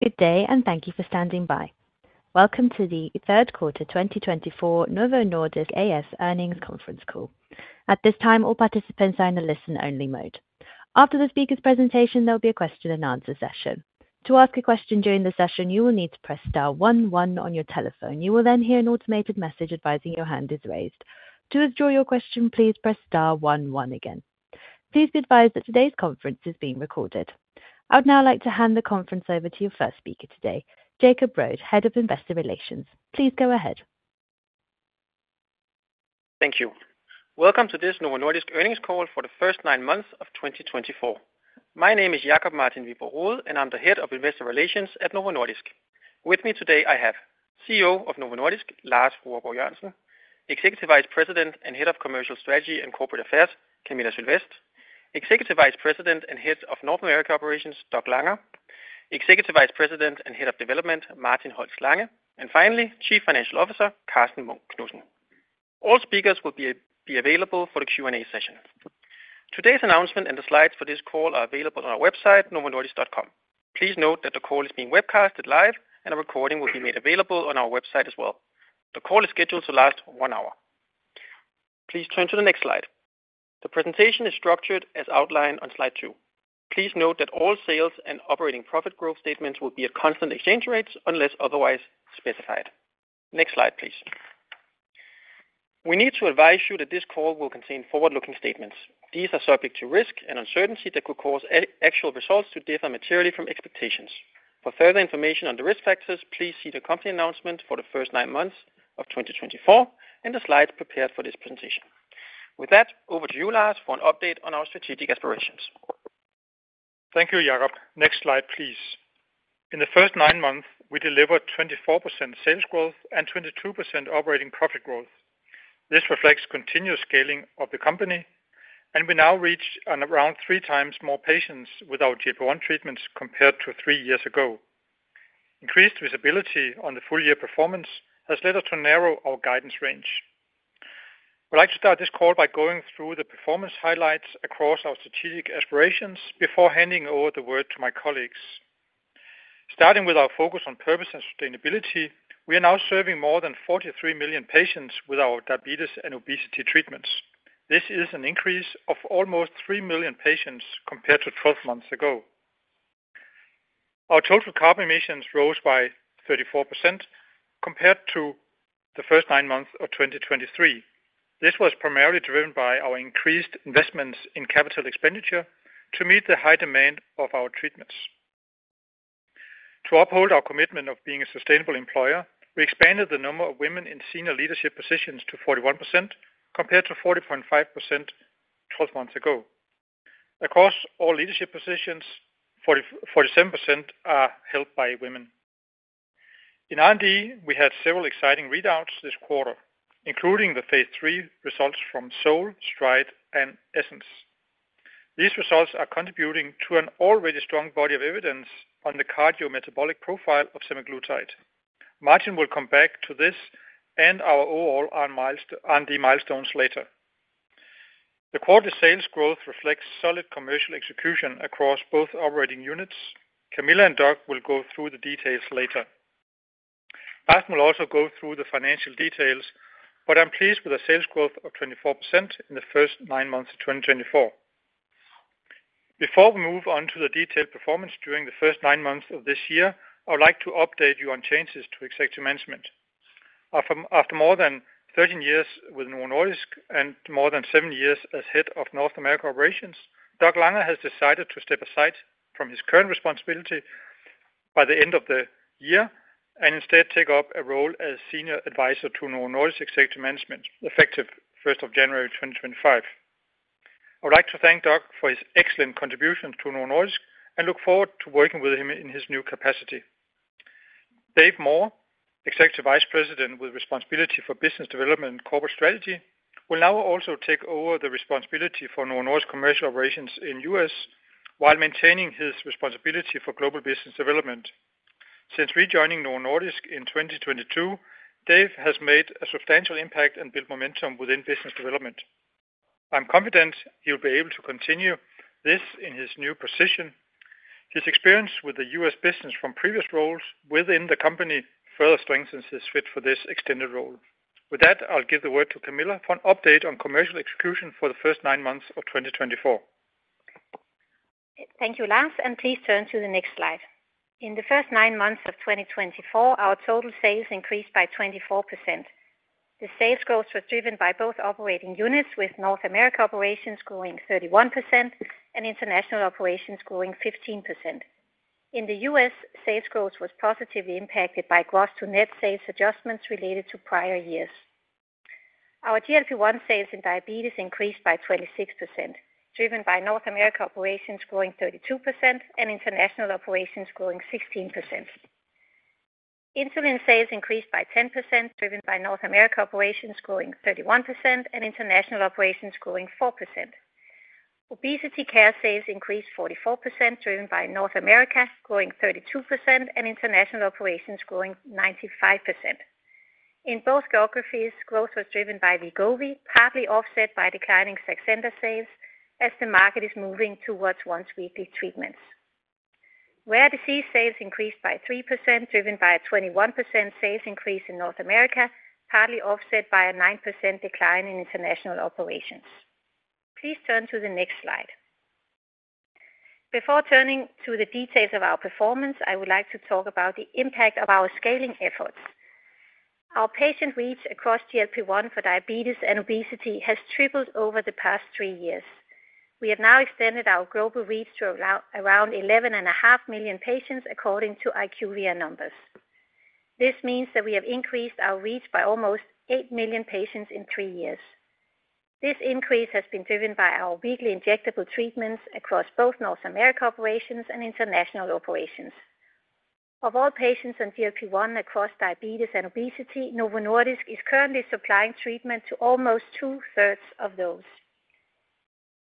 Good day, and thank you for standing by. Welcome to the third quarter 2024 Novo Nordisk A/S earnings conference call. At this time, all participants are in a listen-only mode. After the speaker's presentation, there will be a question-and-answer session. To ask a question during the session, you will need to press star one one on your telephone. You will then hear an automated message advising your hand is raised. To withdraw your question, please press star one one again. Please be advised that today's conference is being recorded. I would now like to hand the conference over to your first speaker today, Jacob Rode, Head of Investor Relations. Please go ahead. Thank you. Welcome to this Novo Nordisk earnings call for the first nine months of 2024. My name is Jacob Martin Wiborg Rode, and I'm the Head of Investor Relations at Novo Nordisk. With me today, I have CEO of Novo Nordisk, Lars Fruergaard Jørgensen, Executive Vice President and Head of Commercial Strategy and Corporate Affairs, Camilla Sylvest, Executive Vice President and Head of North America Operations, Doug Langa, Executive Vice President and Head of Development, Martin Holst Lange, and finally, Chief Financial Officer, Karsten Munk Knudsen. All speakers will be available for the Q&A session. Today's announcement and the slides for this call are available on our website, novonordisk.com. Please note that the call is being webcasted live, and a recording will be made available on our website as well. The call is scheduled to last one hour. Please turn to the next slide. The presentation is structured as outlined on slide two. Please note that all sales and operating profit growth statements will be at constant exchange rates unless otherwise specified. Next slide, please. We need to advise you that this call will contain forward-looking statements. These are subject to risk and uncertainty that could cause actual results to differ materially from expectations. For further information on the risk factors, please see the company announcement for the first nine months of 2024 and the slides prepared for this presentation. With that, over to you, Lars, for an update on our strategic aspirations. Thank you, Jacob. Next slide, please. In the first nine months, we delivered 24% sales growth and 22% operating profit growth. This reflects continuous scaling of the company, and we now reach around three times more patients with our GLP-1 treatments compared to three years ago. Increased visibility on the full-year performance has led us to narrow our guidance range. I'd like to start this call by going through the performance highlights across our strategic aspirations before handing over the word to my colleagues. Starting with our focus on purpose and sustainability, we are now serving more than 43 million patients with our diabetes and obesity treatments. This is an increase of almost three million patients compared to 12 months ago. Our total carbon emissions rose by 34% compared to the first nine months of 2023. This was primarily driven by our increased investments in capital expenditure to meet the high demand of our treatments. To uphold our commitment of being a sustainable employer, we expanded the number of women in senior leadership positions to 41% compared to 40.5% 12 months ago. Across all leadership positions, 47% are held by women. In R&D, we had several exciting readouts this quarter, including the phase III results from SOUL, STRIDE, and ESSENCE. These results are contributing to an already strong body of evidence on the cardiometabolic profile of semaglutide. Martin will come back to this and our overall R&D milestones later. The quarterly sales growth reflects solid commercial execution across both operating units. Camilla and Doug will go through the details later. Martin will also go through the financial details, but I'm pleased with a sales growth of 24% in the first nine months of 2024. Before we move on to the detailed performance during the first nine months of this year, I would like to update you on changes to executive management. After more than 13 years with Novo Nordisk and more than seven years as Head of North America Operations, Doug Langa has decided to step aside from his current responsibility by the end of the year and instead take up a role as Senior Advisor to Novo Nordisk Executive Management, effective 1st January 2025. I would like to thank Doug for his excellent contributions to Novo Nordisk and look forward to working with him in his new capacity. Dave Moore, Executive Vice President with responsibility for business development and corporate strategy, will now also take over the responsibility for Novo Nordisk Commercial Operations in the U.S. while maintaining his responsibility for global business development. Since rejoining Novo Nordisk in 2022, Dave has made a substantial impact and built momentum within business development. I'm confident he will be able to continue this in his new position. His experience with the U.S. business from previous roles within the company further strengthens his fit for this extended role. With that, I'll give the word to Camilla for an update on Commercial Execution for the first nine months of 2024. Thank you, Lars, and please turn to the next slide. In the first nine months of 2024, our total sales increased by 24%. The sales growth was driven by both operating units, with North America Operations growing 31% and International Operations growing 15%. In the U.S., sales growth was positively impacted by gross-to-net sales adjustments related to prior years. Our GLP-1 sales in diabetes increased by 26%, driven by North America Operations growing 32% and International Operations growing 16%. Insulin sales increased by 10%, driven by North America Operations growing 31% and International Operations growing 4%. Obesity care sales increased 44%, driven by North America growing 32% and International Operations growing 95%. In both geographies, growth was driven by Wegovy, partly offset by declining Saxenda sales as the market is moving towards once-weekly treatments. Rare disease sales increased by 3%, driven by a 21% sales increase in North America, partly offset by a 9% decline in International Operations. Please turn to the next slide. Before turning to the details of our performance, I would like to talk about the impact of our scaling efforts. Our patient reach across GLP-1 for diabetes and obesity has tripled over the past three years. We have now extended our global reach to around 11.5 million patients, according to IQVIA numbers. This means that we have increased our reach by almost eight million patients in three years. This increase has been driven by our weekly injectable treatments across both North America Operations and International Operations. Of all patients on GLP-1 across diabetes and obesity, Novo Nordisk is currently supplying treatment to almost two-thirds of those.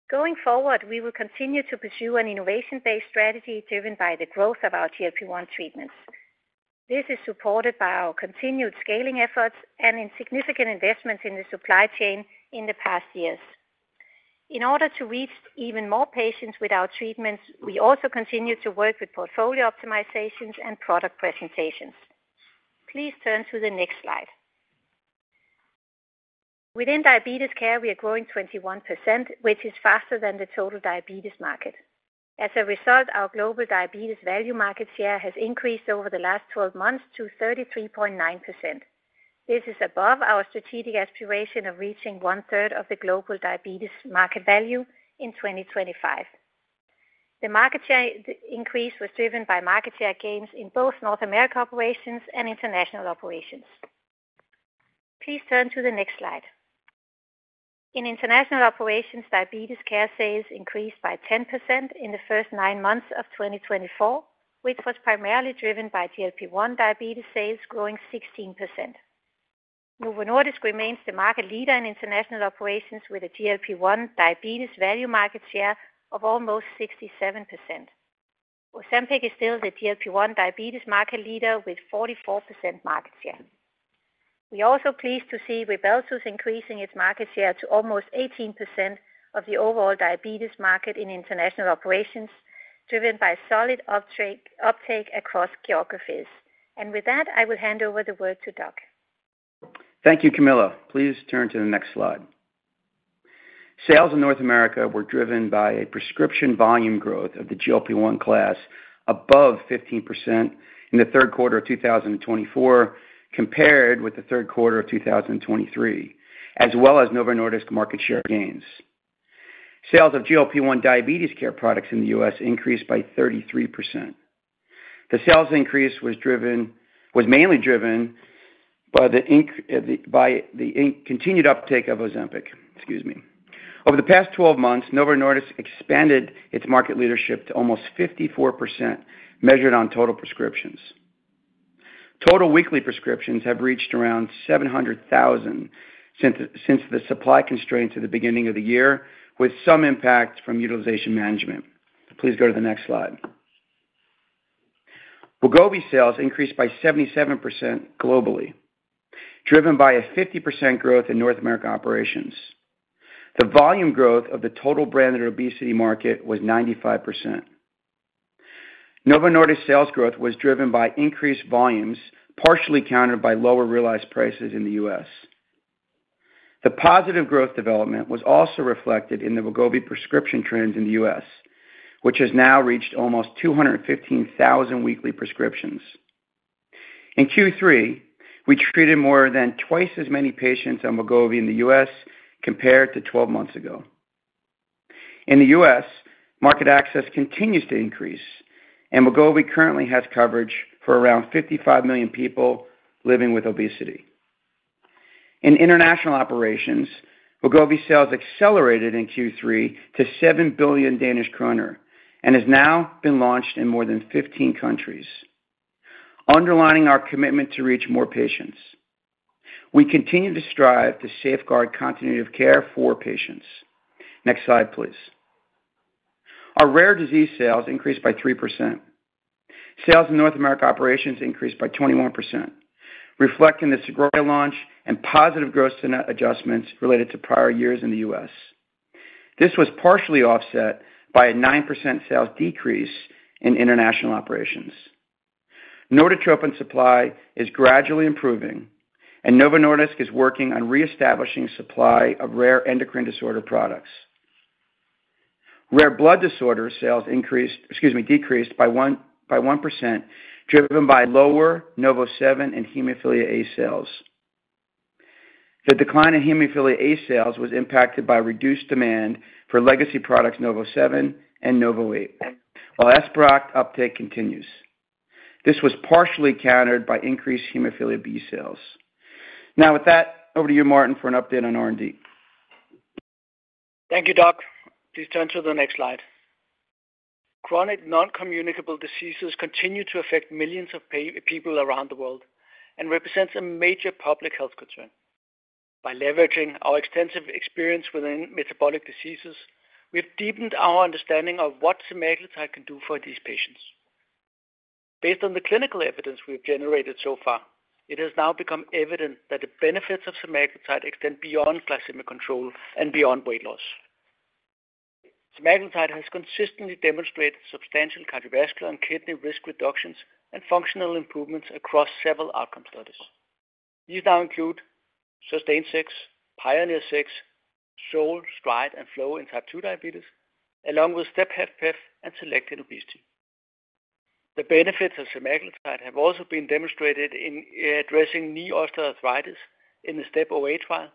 Going forward, we will continue to pursue an innovation-based strategy driven by the growth of our GLP-1 treatments. This is supported by our continued scaling efforts and insignificant investments in the supply chain in the past years. In order to reach even more patients with our treatments, we also continue to work with portfolio optimizations and product presentations. Please turn to the next slide. Within diabetes care, we are growing 21%, which is faster than the total diabetes market. As a result, our global diabetes value market share has increased over the last 12 months to 33.9%. This is above our strategic aspiration of reaching 1/3 of the global diabetes market value in 2025. The market share increase was driven by market share gains in both North America Operations and International Operations. Please turn to the next slide. In International Operations, diabetes care sales increased by 10% in the first nine months of 2024, which was primarily driven by GLP-1 diabetes sales growing 16%. Novo Nordisk remains the market leader in International Operations with a GLP-1 diabetes value market share of almost 67%. Ozempic is still the GLP-1 diabetes market leader with 44% market share. We are also pleased to see Rybelsus increasing its market share to almost 18% of the overall diabetes market in International Operations, driven by solid uptake across geographies. And with that, I will hand over the word to Doug. Thank you, Camilla. Please turn to the next slide. Sales in North America were driven by a prescription volume growth of the GLP-1 class above 15% in the third quarter of 2024, compared with the third quarter of 2023, as well as Novo Nordisk market share gains. Sales of GLP-1 diabetes care products in the U.S. increased by 33%. The sales increase was mainly driven by the continued uptake of Ozempic. Excuse me. Over the past 12 months, Novo Nordisk expanded its market leadership to almost 54%, measured on total prescriptions. Total weekly prescriptions have reached around 700,000 since the supply constraints at the beginning of the year, with some impact from utilization management. Please go to the next slide. Wegovy sales increased by 77% globally, driven by a 50% growth in North America Operations. The volume growth of the total branded obesity market was 95%. Novo Nordisk's sales growth was driven by increased volumes, partially countered by lower realized prices in the U.S. The positive growth development was also reflected in the Wegovy prescription trends in the U.S., which has now reached almost 215,000 weekly prescriptions. In Q3, we treated more than twice as many patients on Wegovy in the U.S. compared to 12 months ago. In the U.S., market access continues to increase, and Wegovy currently has coverage for around 55 million people living with obesity. In International Operations, Wegovy sales accelerated in Q3 to 7 billion Danish kroner and has now been launched in more than 15 countries, underlining our commitment to reach more patients. We continue to strive to safeguard continuity of care for patients. Next slide, please. Our rare disease sales increased by 3%. Sales in North America Operations increased by 21%, reflecting the Sogroya launch and positive gross-to-net adjustments related to prior years in the U.S. This was partially offset by a 9% sales decrease in International Operations. Norditropin supply is gradually improving, and Novo Nordisk is working on reestablishing supply of rare endocrine disorder products. Rare blood disorder sales decreased by 1%, driven by lower NovoSeven and hemophilia A sales. The decline in hemophilia A sales was impacted by reduced demand for legacy products NovoSeven and NovoEight, while Esperoct uptake continues. This was partially countered by increased hemophilia B sales. Now, with that, over to you, Martin, for an update on R&D. Thank you, Doug. Please turn to the next slide. Chronic noncommunicable diseases continue to affect millions of people around the world and represent a major public health concern. By leveraging our extensive experience within metabolic diseases, we have deepened our understanding of what semaglutide can do for these patients. Based on the clinical evidence we have generated so far, it has now become evident that the benefits of semaglutide extend beyond glycemic control and beyond weight loss. Semaglutide has consistently demonstrated substantial cardiovascular and kidney risk reductions and functional improvements across several outcome studies. These now include SUSTAIN 6, PIONEER 6, SOUL, STRIDE, and FLOW in type 2 diabetes, along with STEP-HFpEF and SELECT obesity. The benefits of semaglutide have also been demonstrated in addressing knee osteoarthritis in the STEP OA trial,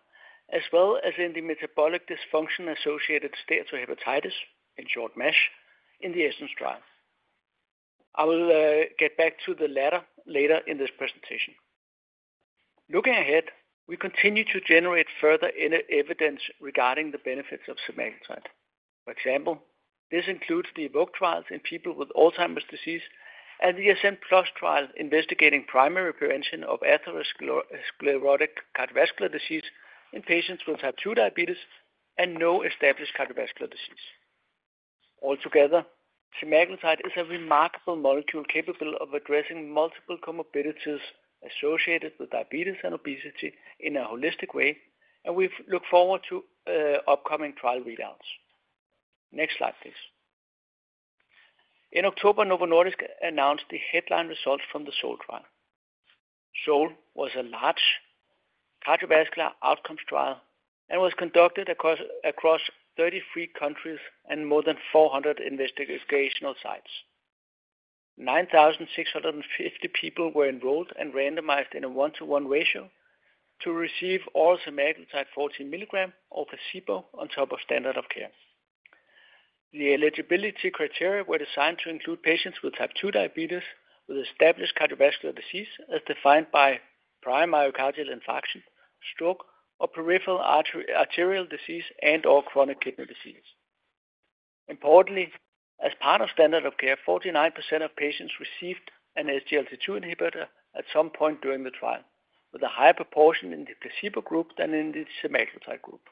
as well as in the metabolic dysfunction-associated steatohepatitis, in short MASH, in the ESSENCE trial. I will get back to the latter later in this presentation. Looking ahead, we continue to generate further evidence regarding the benefits of semaglutide. For example, this includes the EVOKE trials in people with Alzheimer's disease and the ASCEND+ trial investigating primary prevention of atherosclerotic cardiovascular disease in patients with type 2 diabetes and no established cardiovascular disease. Altogether, semaglutide is a remarkable molecule capable of addressing multiple comorbidities associated with diabetes and obesity in a holistic way, and we look forward to upcoming trial readouts. Next slide, please. In October, Novo Nordisk announced the headline results from the SOUL trial. SOUL was a large cardiovascular outcomes trial and was conducted across 33 countries and more than 400 investigational sites. 9,650 people were enrolled and randomized in a one-to-one ratio to receive oral semaglutide 14 milligrams or placebo on top of standard of care. The eligibility criteria were designed to include patients with type 2 diabetes with established cardiovascular disease as defined by prior myocardial infarction, stroke, or peripheral arterial disease and/or chronic kidney disease. Importantly, as part of standard of care, 49% of patients received an SGLT2 inhibitor at some point during the trial, with a higher proportion in the placebo group than in the semaglutide group.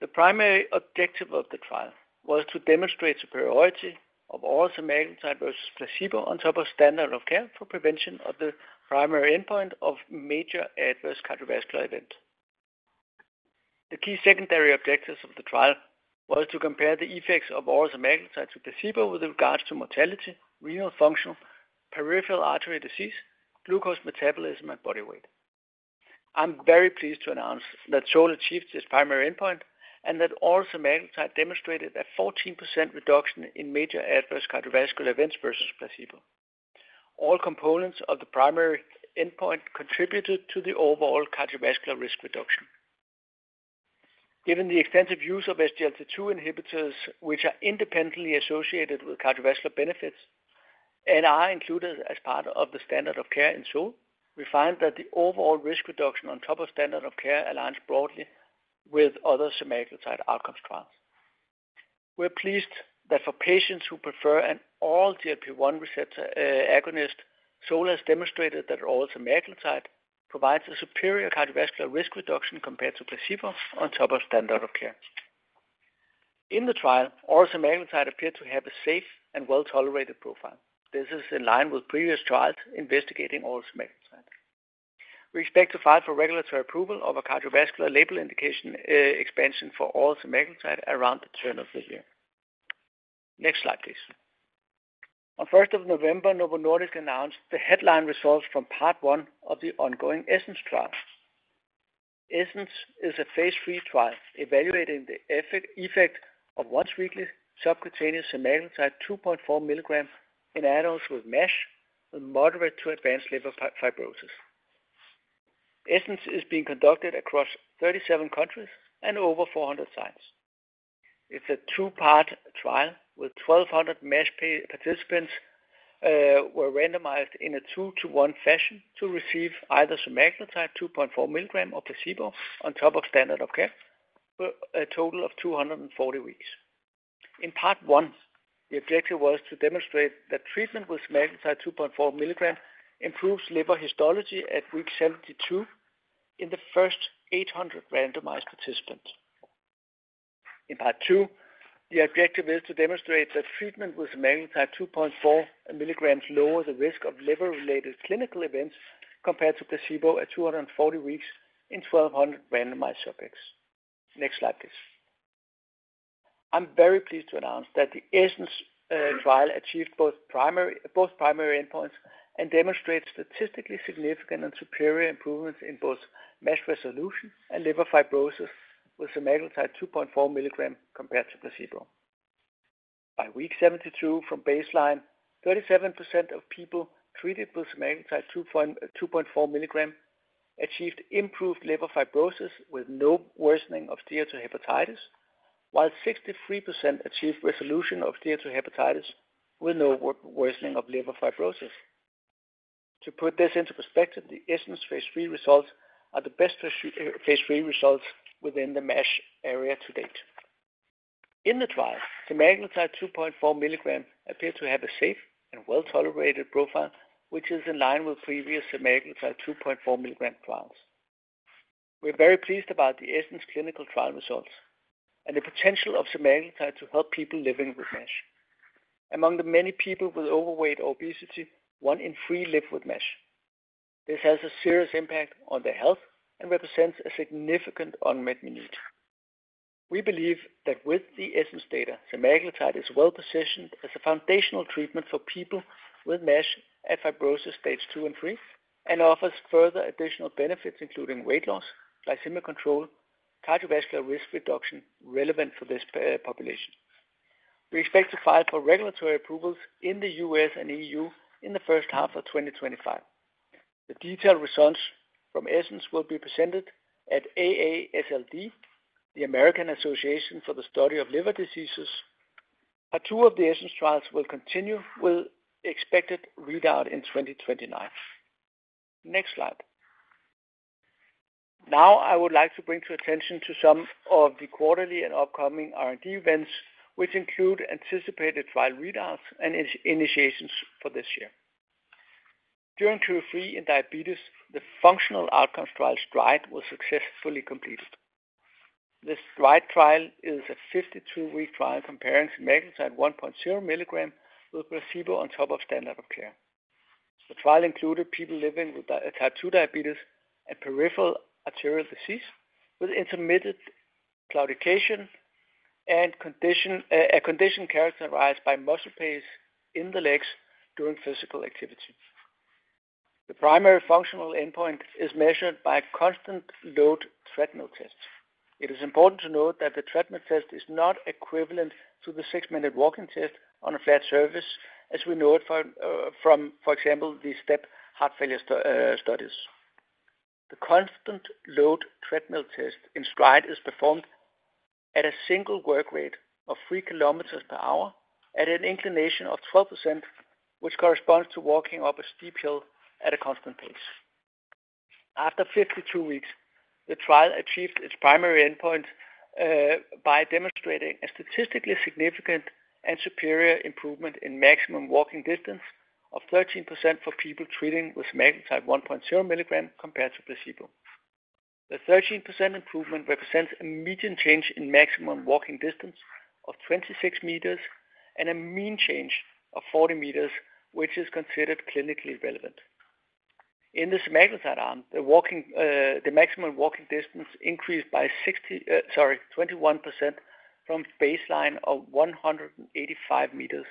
The primary objective of the trial was to demonstrate superiority of oral semaglutide versus placebo on top of standard of care for prevention of the primary endpoint of major adverse cardiovascular event. The key secondary objectives of the trial were to compare the effects of oral semaglutide to placebo with regards to mortality, renal function, peripheral arterial disease, glucose metabolism, and body weight. I'm very pleased to announce that SOUL achieved its primary endpoint and that oral semaglutide demonstrated a 14% reduction in major adverse cardiovascular events versus placebo. All components of the primary endpoint contributed to the overall cardiovascular risk reduction. Given the extensive use of SGLT2 inhibitors, which are independently associated with cardiovascular benefits and are included as part of the standard of care in SOUL, we find that the overall risk reduction on top of standard of care aligns broadly with other semaglutide outcomes trials. We're pleased that for patients who prefer an all-GLP-1 receptor agonist, SOUL has demonstrated that oral semaglutide provides a superior cardiovascular risk reduction compared to placebo on top of standard of care. In the trial, oral semaglutide appeared to have a safe and well-tolerated profile. This is in line with previous trials investigating oral semaglutide. We expect to file for regulatory approval of a cardiovascular label indication expansion for oral semaglutide around the turn of the year. Next slide, please. On 1st November, Novo Nordisk announced the headline results from part one of the ongoing ESSENCE trial. ESSENCE is a phase III trial evaluating the effect of once-weekly subcutaneous semaglutide 2.4 milligrams in adults with MASH with moderate to advanced liver fibrosis. ESSENCE is being conducted across 37 countries and over 400 sites. It's a two-part trial with 1,200 MASH participants who were randomized in a two-to-one fashion to receive either semaglutide 2.4 milligrams or placebo on top of standard of care for a total of 240 weeks. In part one, the objective was to demonstrate that treatment with semaglutide 2.4 milligrams improves liver histology at week 72 in the first 800 randomized participants. In part two, the objective is to demonstrate that treatment with semaglutide 2.4 milligrams lowers the risk of liver-related clinical events compared to placebo at 240 weeks in 1,200 randomized subjects. Next slide, please. I'm very pleased to announce that the ESSENCE trial achieved both primary endpoints and demonstrates statistically significant and superior improvements in both MASH resolution and liver fibrosis with semaglutide 2.4 milligrams compared to placebo. By week 72 from baseline, 37% of people treated with semaglutide 2.4 milligrams achieved improved liver fibrosis with no worsening of steatohepatitis, while 63% achieved resolution of steatohepatitis with no worsening of liver fibrosis. To put this into perspective, the ESSENCE phase III results are the best phase III results within the MASH area to date. In the trial, semaglutide 2.4 milligrams appeared to have a safe and well-tolerated profile, which is in line with previous semaglutide 2.4 milligram trials. We're very pleased about the ESSENCE clinical trial results and the potential of semaglutide to help people living with MASH. Among the many people with overweight or obesity, one in three live with MASH. This has a serious impact on their health and represents a significant unmet need. We believe that with the ESSENCE data, semaglutide is well-positioned as a foundational treatment for people with MASH and fibrosis stage two and three and offers further additional benefits, including weight loss, glycemic control, and cardiovascular risk reduction relevant for this population. We expect to file for regulatory approvals in the U.S. and EU in the first half of 2025. The detailed results from ESSENCE will be presented at AASLD, the American Association for the Study of Liver Diseases. Two of the ESSENCE trials will continue with expected readout in 2029. Next slide. Now, I would like to bring to attention some of the quarterly and upcoming R&D events, which include anticipated trial readouts and initiations for this year. During Q3 in diabetes, the functional outcomes trial, STRIDE, was successfully completed. The STRIDE trial is a 52-week trial comparing semaglutide 1.0 milligrams with placebo on top of standard of care. The trial included people living with type 2 diabetes and peripheral arterial disease with intermittent claudication and a condition characterized by muscle pains in the legs during physical activity. The primary functional endpoint is measured by constant load treadmill test. It is important to note that the treadmill test is not equivalent to the six-minute walking test on a flat surface, as we know it from, for example, the STEP heart failure studies. The constant load treadmill test in STRIDE is performed at a single work rate of 3 km/h at an inclination of 12%, which corresponds to walking up a steep hill at a constant pace. After 52 weeks, the trial achieved its primary endpoint by demonstrating a statistically significant and superior improvement in maximum walking distance of 13% for people treating with semaglutide 1.0 milligrams compared to placebo. The 13% improvement represents a median change in maximum walking distance of 26 meters and a mean change of 40 meters, which is considered clinically relevant. In the semaglutide arm, the maximum walking distance increased by 21% from a baseline of 185 meters,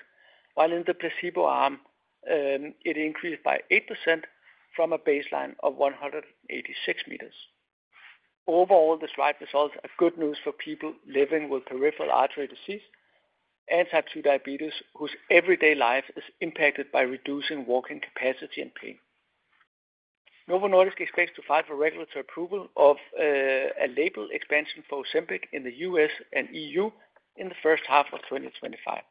while in the placebo arm, it increased by 8% from a baseline of 186 meters. Overall, the STRIDE results are good news for people living with peripheral arterial disease and type 2 diabetes, whose everyday life is impacted by reducing walking capacity and pain. Novo Nordisk expects to file for regulatory approval of a label expansion for Ozempic in the U.S. and EU in the first half of 2025.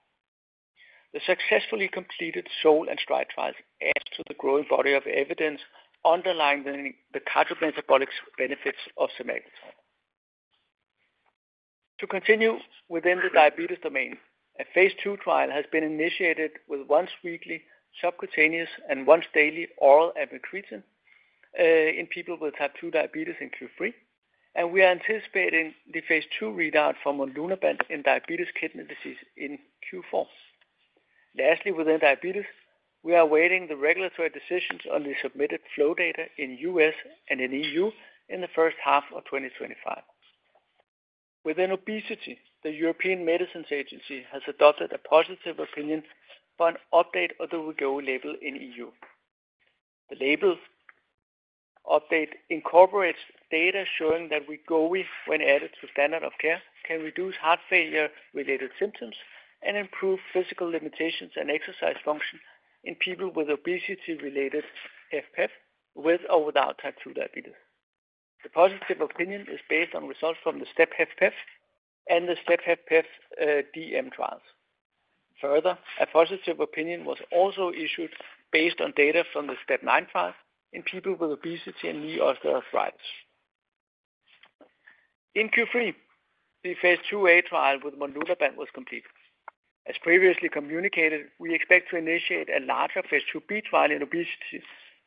The successfully completed SOUL and STRIDE trials add to the growing body of evidence underlining the cardiometabolic benefits of semaglutide. To continue within the diabetes domain, a phase II trial has been initiated with once-weekly subcutaneous and once-daily oral amycretin in people with type 2 diabetes in Q3, and we are anticipating the phase II readout from monlunabant in diabetic kidney disease in Q4. Lastly, within diabetes, we are awaiting the regulatory decisions on the submitted FLOW data in the U.S. and in EU in the first half of 2025. Within obesity, the European Medicines Agency has adopted a positive opinion for an update of the Wegovy label in the EU. The label update incorporates data showing that Wegovy, when added to standard of care, can reduce heart failure-related symptoms and improve physical limitations and exercise function in people with obesity-related HFpEF with or without type 2 diabetes. The positive opinion is based on results from the STEP-HFpEF and the STEP-HFpEF DM trials. Further, a positive opinion was also issued based on data from the STEP 9 trial in people with obesity and knee osteoarthritis. In Q3, the phase II-A trial with monlunabant was completed. As previously communicated, we expect to initiate a larger phase II-B trial in obesity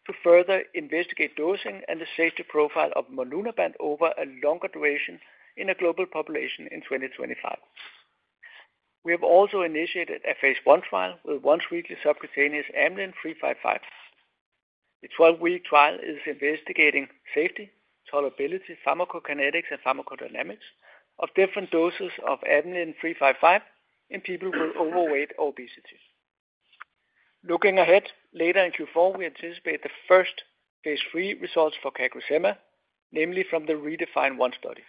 to further investigate dosing and the safety profile of monlunabant over a longer duration in a global population in 2025. We have also initiated a phase I trial with once-weekly subcutaneous amylin 355. The 12-week trial is investigating safety, tolerability, pharmacokinetics, and pharmacodynamics of different doses of amylin 355 in people with overweight or obesity. Looking ahead, later in Q4, we anticipate the first phase III results for CagriSema, namely from the REDEFINE 1 study.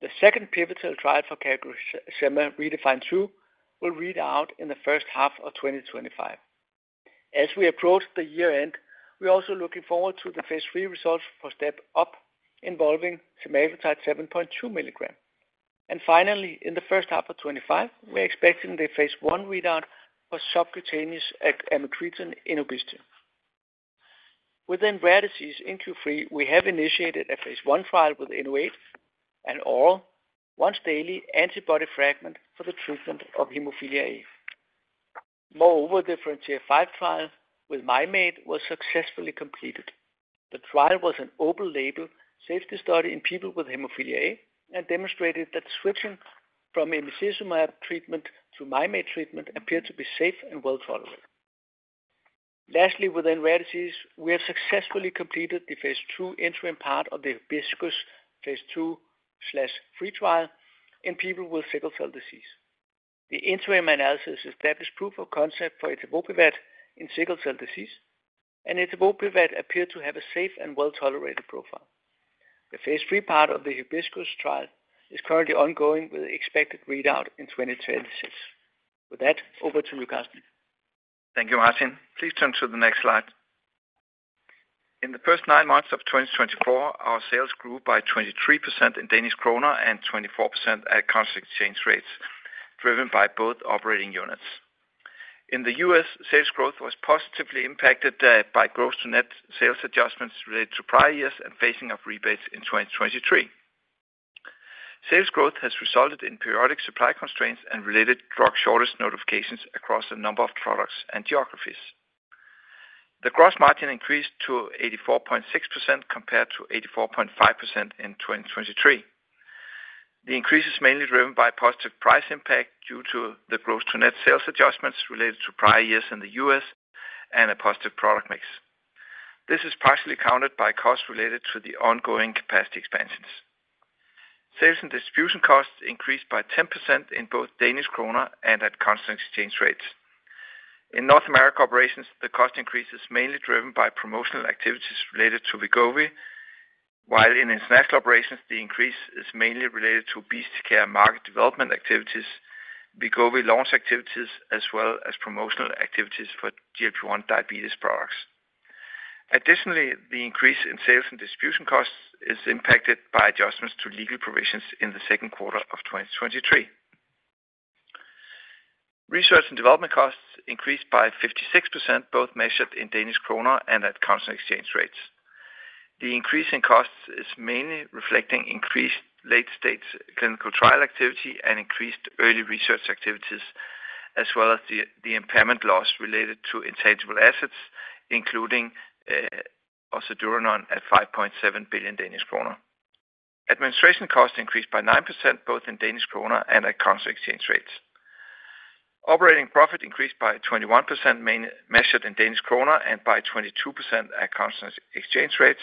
The second pivotal trial for CagriSema REDEFINE 2 will readout in the first half of 2025. As we approach the year end, we are also looking forward to the phase III results for STEP UP involving semaglutide 7.2 milligrams. And finally, in the first half of 2025, we are expecting the phase I readout for subcutaneous amycretin in obesity. Within rare disease in Q3, we have initiated a phase I trial with Inno8 and oral once-daily antibody fragment for the treatment of hemophilia A. Moreover, the FRONTIER 5 trial with Mim8 was successfully completed. The trial was an open label safety study in people with hemophilia A and demonstrated that switching from emicizumab treatment to Mim8 treatment appeared to be safe and well-tolerated. Lastly, within rare disease, we have successfully completed the phase II interim part of the Hibiscus phase II/III trial in people with sickle cell disease. The interim analysis established proof of concept for etavopivat in sickle cell disease, and etavopivat appeared to have a safe and well-tolerated profile. The phase III part of the Hibiscus trial is currently ongoing with expected readout in 2026. With that, over to you, Karsten. Thank you, Martin. Please turn to the next slide. In the first nine months of 2024, our sales grew by 23% in Danish kroner and 24% at currency exchange rates, driven by both operating units. In the U.S., sales growth was positively impacted by gross-to-net sales adjustments related to prior years and phasing of rebates in 2023. Sales growth has resulted in periodic supply constraints and related drug shortage notifications across a number of products and geographies. The gross margin increased to 84.6% compared to 84.5% in 2023. The increase is mainly driven by positive price impact due to the gross-to-net sales adjustments related to prior years in the U.S. and a positive product mix. This is partially accounted by costs related to the ongoing capacity expansions. Sales and distribution costs increased by 10% in both Danish kroner and at constant exchange rates. In North America operations, the cost increase is mainly driven by promotional activities related to Wegovy, while in International Operations, the increase is mainly related to obesity care and market development activities, Wegovy launch activities, as well as promotional activities for GLP-1 diabetes products. Additionally, the increase in sales and distribution costs is impacted by adjustments to legal provisions in the second quarter of 2023. Research and development costs increased by 56%, both measured in Danish kroner and at constant exchange rates. The increase in costs is mainly reflecting increased late-stage clinical trial activity and increased early research activities, as well as the impairment loss related to intangible assets, including ocedurenone at 5.7 billion Danish kroner. Administration costs increased by 9%, both in Danish kroner and at constant exchange rates. Operating profit increased by 21%, mainly measured in Danish kroner, and by 22% at constant exchange rates.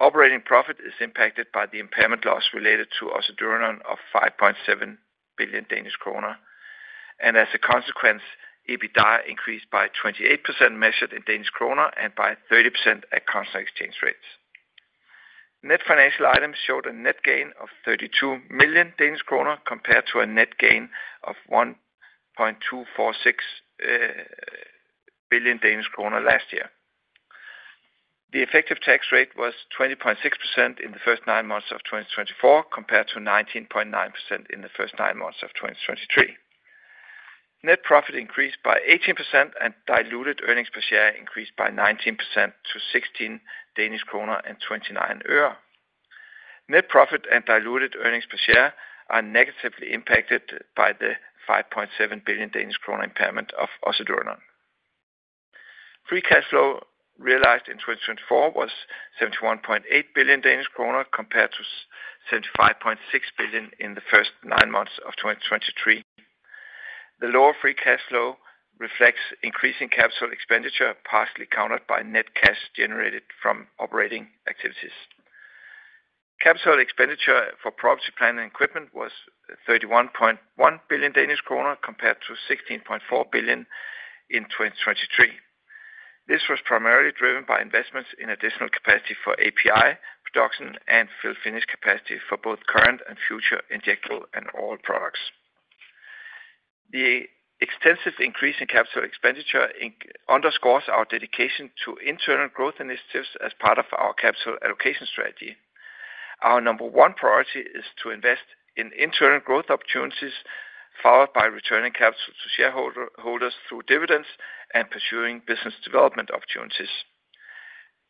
Operating profit is impacted by the impairment loss related to ocedurenone of 5.7 billion Danish kroner. And as a consequence, EBITDA increased by 28%, measured in Danish kroner, and by 30% at constant exchange rates. Net financial items showed a net gain of 32 million Danish kroner compared to a net gain of 1.246 billion Danish kroner last year. The effective tax rate was 20.6% in the first nine months of 2024 compared to 19.9% in the first nine months of 2023. Net profit increased by 18%, and diluted earnings per share increased by 19% to 16 Danish kroner [in 2019 year]. Net profit and diluted earnings per share are negatively impacted by the 5.7 billion Danish kroner impairment of ocedurenone. Free cash flow realized in 2024 was 71.8 billion Danish kroner compared to 75.6 billion in the first nine months of 2023. The lower free cash flow reflects increasing capital expenditure, partially accounted by net cash generated from operating activities. Capital expenditure for property, plant and equipment was 31.1 billion Danish kroner compared to 16.4 billion in 2023. This was primarily driven by investments in additional capacity for API production and fill-finish capacity for both current and future injectable and oral products. The extensive increase in capital expenditure underscores our dedication to internal growth initiatives as part of our capital allocation strategy. Our number one priority is to invest in internal growth opportunities, followed by returning capital to shareholders through dividends and pursuing business development opportunities.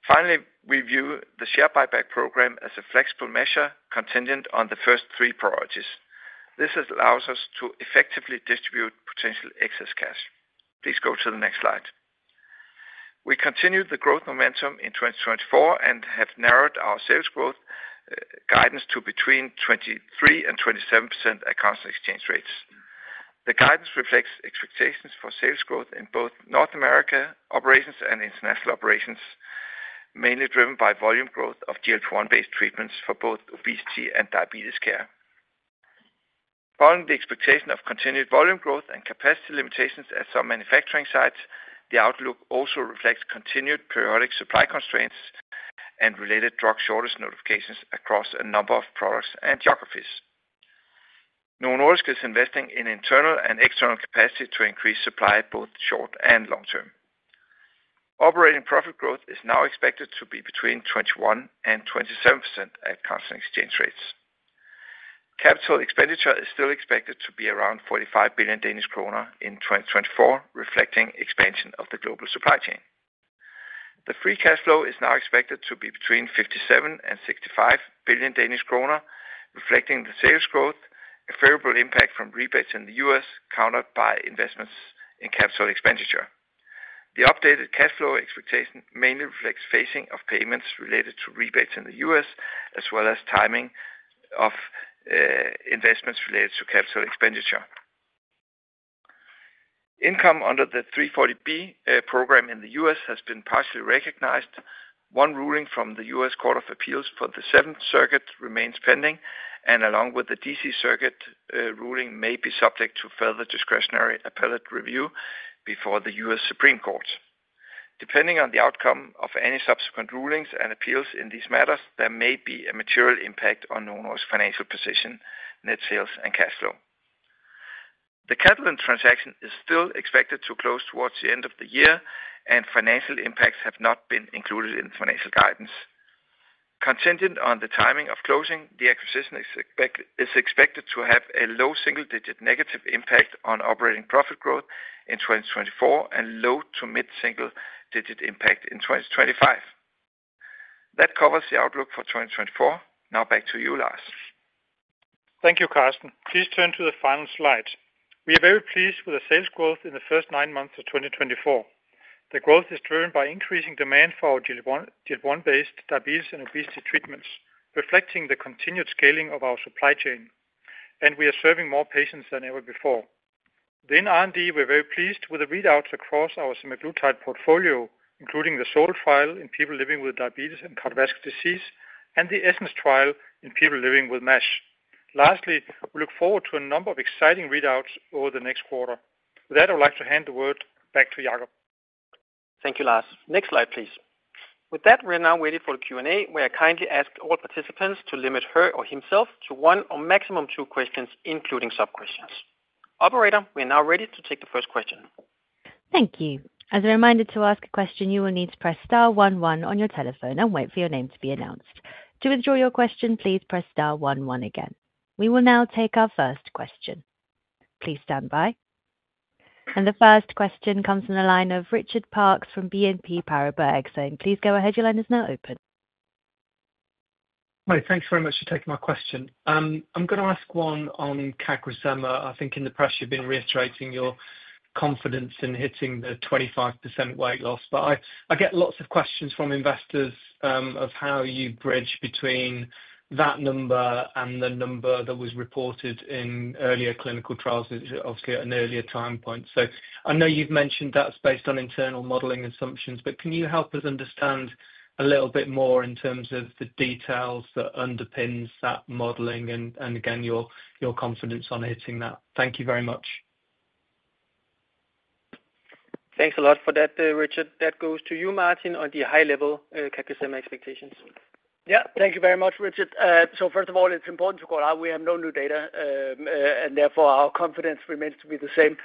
Finally, we view the share buyback program as a flexible measure contingent on the first three priorities. This allows us to effectively distribute potential excess cash. Please go to the next slide. We continued the growth momentum in 2024 and have narrowed our sales growth guidance to between 23% and 27% at constant exchange rates. The guidance reflects expectations for sales growth in both North America Operations and International Operations, mainly driven by volume growth of GLP-1-based treatments for both obesity and diabetes care. Following the expectation of continued volume growth and capacity limitations at some manufacturing sites, the outlook also reflects continued periodic supply constraints and related drug shortage notifications across a number of products and geographies. Novo Nordisk is investing in internal and external capacity to increase supply both short and long term. Operating profit growth is now expected to be between 21% and 27% at constant exchange rates. Capital expenditure is still expected to be around 45 billion Danish kroner in 2024, reflecting expansion of the global supply chain. The free cash flow is now expected to be between 57 billion and 65 billion Danish kroner, reflecting the sales growth, a favorable impact from rebates in the U.S., accounted by investments in capital expenditure. The updated cash flow expectation mainly reflects phasing of payments related to rebates in the U.S., as well as timing of investments related to capital expenditure. Income under the 340B Program in the U.S. has been partially recognized. One ruling from the U.S. Court of Appeals for the Seventh Circuit remains pending, and along with the D.C. Circuit ruling, may be subject to further discretionary appellate review before the U.S. Supreme Court. Depending on the outcome of any subsequent rulings and appeals in these matters, there may be a material impact on Novo Nordisk's financial position, net sales, and cash flow. The Catalent transaction is still expected to close towards the end of the year, and financial impacts have not been included in the financial guidance. Contingent on the timing of closing, the acquisition is expected to have a low single-digit negative impact on operating profit growth in 2024 and low to mid-single-digit impact in 2025. That covers the outlook for 2024. Now back to you, Lars. Thank you, Karsten. Please turn to the final slide. We are very pleased with the sales growth in the first nine months of 2024. The growth is driven by increasing demand for our GLP-1-based diabetes and obesity treatments, reflecting the continued scaling of our supply chain, and we are serving more patients than ever before. Within R&D, we're very pleased with the readouts across our semaglutide portfolio, including the SOUL trial in people living with diabetes and cardiovascular disease and the ESSENCE trial in people living with MASH. Lastly, we look forward to a number of exciting readouts over the next quarter. With that, I would like to hand the word back to Jacob. Thank you, Lars. Next slide, please. With that, we're now waiting for the Q&A. We are kindly asking all participants to limit her or himself to one or maximum two questions, including sub-questions. Operator, we are now ready to take the first question. Thank you. As a reminder to ask a question, you will need to press star one one on your telephone and wait for your name to be announced. To withdraw your question, please press star one one again. We will now take our first question. Please stand by. And the first question comes from the line of Richard Parkes from BNP Paribas Exane. Please go ahead. Your line is now open. Hi. Thanks very much for taking my question. I'm going to ask one on CagriSema. I think in the press, you've been reiterating your confidence in hitting the 25% weight loss, but I get lots of questions from investors of how you bridge between that number and the number that was reported in earlier clinical trials, obviously at an earlier time point. So I know you've mentioned that's based on internal modeling assumptions, but can you help us understand a little bit more in terms of the details that underpins that modeling and, again, your confidence on hitting that? Thank you very much. Thanks a lot for that, Richard. That goes to you, Martin, on the high-level CagriSema expectations. Yeah. Thank you very much, Richard. So first of all, it's important to call out we have no new data, and therefore our confidence remains to be the same.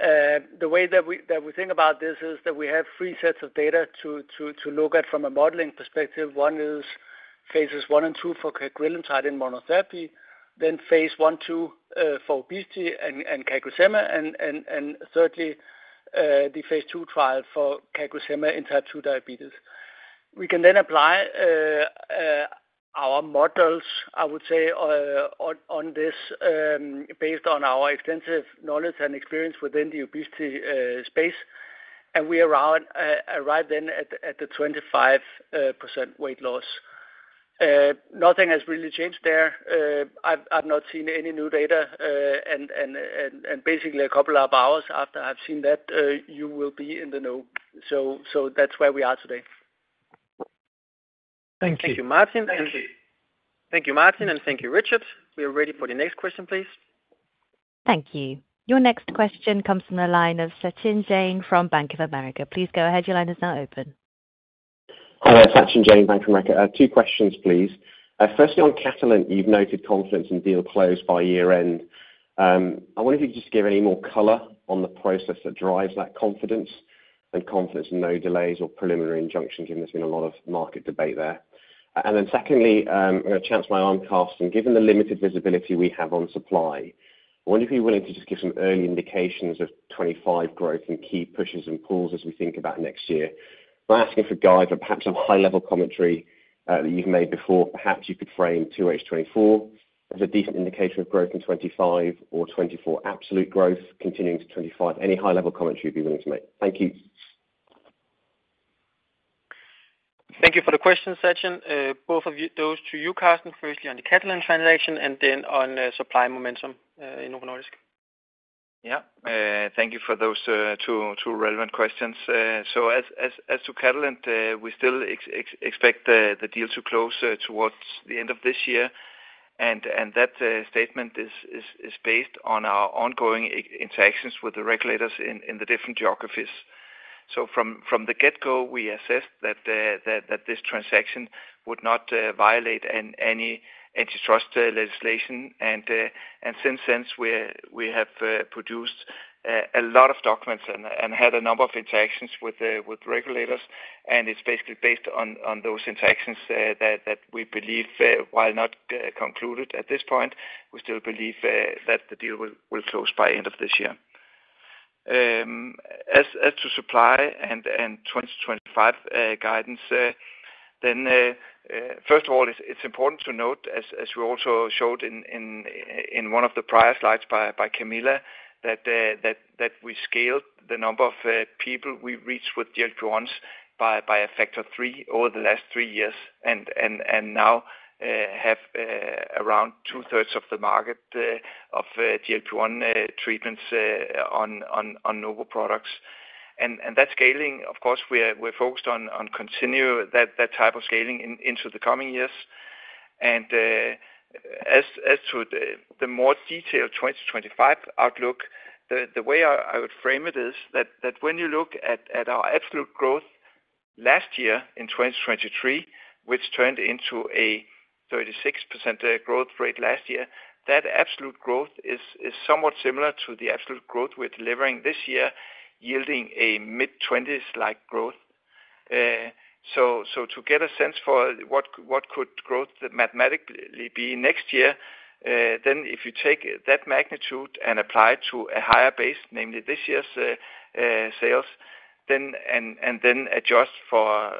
The way that we think about this is that we have three sets of data to look at from a modeling perspective. One is phases I and II for cagrilintide in monotherapy, then phase I and II for obesity and CagriSema, and thirdly, the phase II trial for CagriSema in type 2 diabetes. We can then apply our models, I would say, on this based on our extensive knowledge and experience within the obesity space, and we arrived then at the 25% weight loss. Nothing has really changed there. I've not seen any new data, and basically, a couple of hours after I've seen that, you will be in the know. So that's where we are today. Thank you. Thank you, Martin. Thank you, Martin, and thank you, Richard. We are ready for the next question, please. Thank you. Your next question comes from the line of Sachin Jain from Bank of America. Please go ahead. Your line is now open. Hi. That's Sachin Jain, Bank of America. Two questions, please. Firstly, on Catalent, you've noted confidence in deal close by year-end. I wonder if you could just give any more color on the process that drives that confidence and confidence in no delays or preliminary injunction, given there's been a lot of market debate there. And then secondly, I'm going to chance my arm at, and given the limited visibility we have on supply, I wonder if you're willing to just give some early indications of 2025 growth and key pushes and pulls as we think about next year. I'm asking for guidance or perhaps some high-level commentary that you've made before. Perhaps you could frame 2H24 as a decent indication of growth in 2025 or 2024 absolute growth continuing to 2025. Any high-level commentary you'd be willing to make? Thank you. Thank you for the questions, Sachin. Both of those to you, Karsten, firstly on the Catalent transaction and then on supply momentum in Novo Nordisk. Yeah. Thank you for those two relevant questions. So as to Catalent, we still expect the deal to close towards the end of this year, and that statement is based on our ongoing interactions with the regulators in the different geographies. From the get-go, we assessed that this transaction would not violate any antitrust legislation, and since then, we have produced a lot of documents and had a number of interactions with the regulators, and it's basically based on those interactions that we believe, while not concluded at this point, we still believe that the deal will close by the end of this year. As to supply and 2025 guidance, then first of all, it's important to note, as we also showed in one of the prior slides by Camilla, that we scaled the number of people we reached with GLP-1s by a factor of three over the last three years, and now have around 2/3 of the market of GLP-1 treatments on Novo products. And that scaling, of course, we're focused on continuing that type of scaling into the coming years. As to the more detailed 2025 outlook, the way I would frame it is that when you look at our absolute growth last year in 2023, which turned into a 36% growth rate last year, that absolute growth is somewhat similar to the absolute growth we're delivering this year, yielding a mid-20s-like growth. So to get a sense for what could growth mathematically be next year, then if you take that magnitude and apply it to a higher base, namely this year's sales, and then adjust for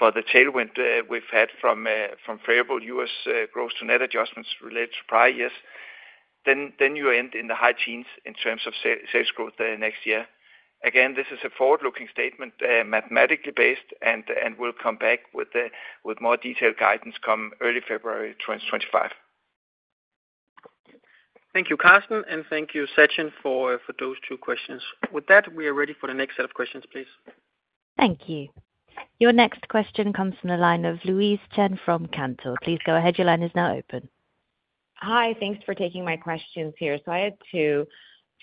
the tailwind we've had from favorable U.S. growth to net adjustments related to prior years, then you end in the high teens in terms of sales growth next year. Again, this is a forward-looking statement, mathematically based, and we'll come back with more detailed guidance come early February 2025. Thank you, Karsten, and thank you, Sachin, for those two questions. With that, we are ready for the next set of questions, please. Thank you. Your next question comes from the line of Louise Chen from Cantor Fitzgerald. Please go ahead. Your line is now open. Hi. Thanks for taking my questions here. So I had two.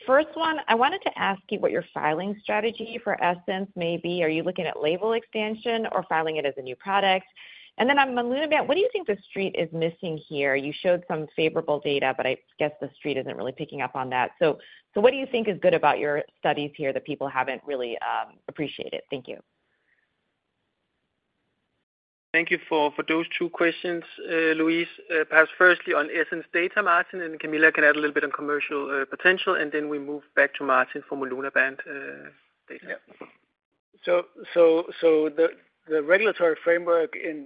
First one, I wanted to ask you what your filing strategy for ESSENCE may be. Are you looking at label expansion or filing it as a new product? And then I'm a little bit—what do you think the street is missing here? You showed some favorable data, but I guess the street isn't really picking up on that. So what do you think is good about your studies here that people haven't really appreciated? Thank you. Thank you for those two questions, Louise. Perhaps firstly on ESSENCE data, Martin, and Camilla can add a little bit on commercial potential, and then we move back to Martin for monlunabant data. The regulatory framework in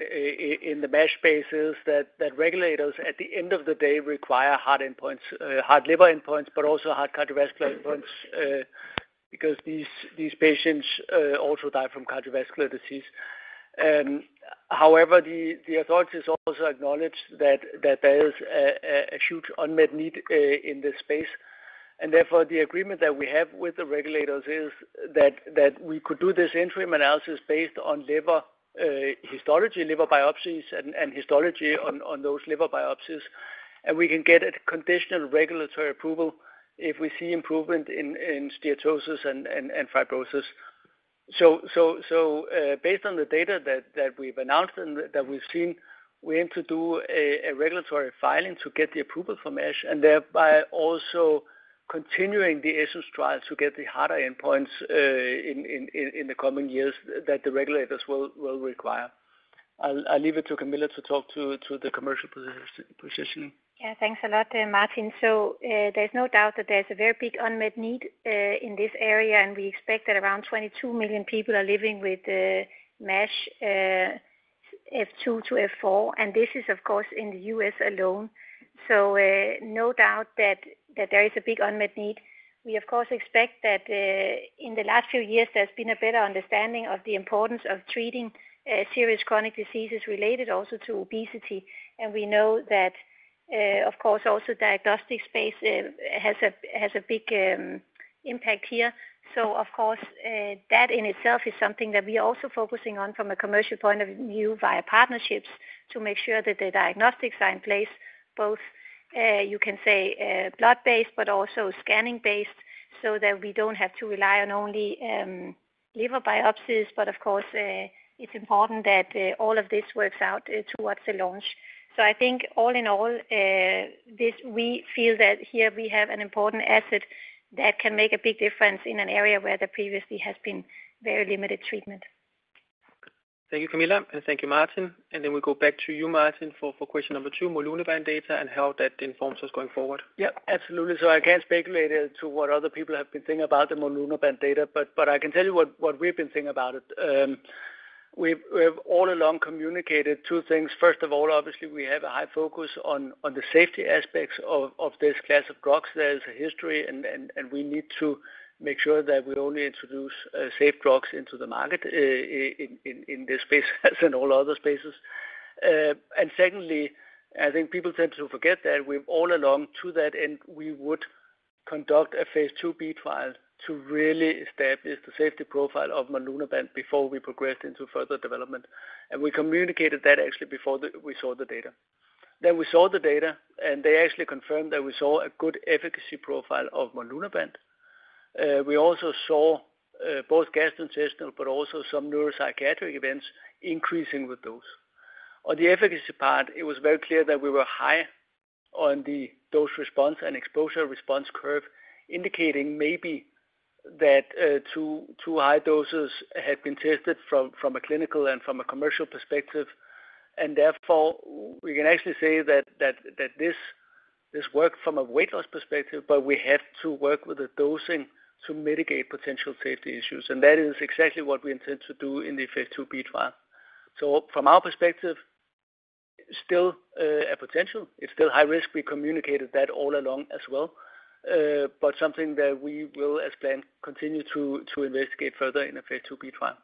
the MASH space is that regulators, at the end of the day, require hard endpoints, hard liver endpoints, but also hard cardiovascular endpoints because these patients also die from cardiovascular disease. However, the authorities also acknowledge that there is a huge unmet need in this space, and therefore the agreement that we have with the regulators is that we could do this interim analysis based on liver histology, liver biopsies, and histology on those liver biopsies, and we can get a conditional regulatory approval if we see improvement in steatosis and fibrosis. So based on the data that we've announced and that we've seen, we aim to do a regulatory filing to get the approval from MASH and thereby also continuing the ESSENCE trial to get the harder endpoints in the coming years that the regulators will require. I'll leave it to Camilla to talk to the commercial positioning. Yeah. Thanks a lot, Martin. So there's no doubt that there's a very big unmet need in this area, and we expect that around 22 million people are living with MASH F2 to F4, and this is, of course, in the U.S. alone. So no doubt that there is a big unmet need. We, of course, expect that in the last few years, there's been a better understanding of the importance of treating serious chronic diseases related also to obesity, and we know that, of course, also diagnostic space has a big impact here. So, of course, that in itself is something that we are also focusing on from a commercial point of view via partnerships to make sure that the diagnostics are in place, both, you can say, blood-based, but also scanning-based, so that we don't have to rely on only liver biopsies. But, of course, it's important that all of this works out towards the launch. So I think all in all, we feel that here we have an important asset that can make a big difference in an area where there previously has been very limited treatment. Thank you, Camilla, and thank you, Martin. Then we'll go back to you, Martin, for question number two: monlunabant data and how that informs us going forward. Yeah. Absolutely. So I can't speculate as to what other people have been thinking about the monlunabant data, but I can tell you what we've been thinking about it. We have all along communicated two things. First of all, obviously, we have a high focus on the safety aspects of this class of drugs. There is a history, and we need to make sure that we only introduce safe drugs into the market in this space as in all other spaces. Secondly, I think people tend to forget that we've all along, to that end, conducted a phase II-B trial to really establish the safety profile of monlunabant before we progressed into further development. We communicated that actually before we saw the data. Then we saw the data, and they actually confirmed that we saw a good efficacy profile of monlunabant. We also saw both gastrointestinal but also some neuropsychiatric events increasing with those. On the efficacy part, it was very clear that we were high on the dose response and exposure response curve, indicating maybe that too high doses had been tested from a clinical and from a commercial perspective. And therefore, we can actually say that this worked from a weight loss perspective, but we had to work with the dosing to mitigate potential safety issues. And that is exactly what we intend to do in phase II-B trial. So from our perspective, still a potential. It's still high risk. We communicated that all along as well. But something that we will, as planned, continue to investigate further in phase II-B trial.